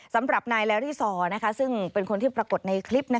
สำหรับนายแลรี่ซอซึ่งเป็นคนที่ปรากฏในคลิป